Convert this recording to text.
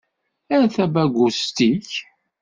Err tabagust-ik.